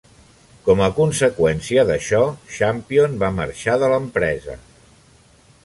Com a conseqüència d'això, Champion va marxar de l'empresa.